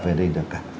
về đây được cả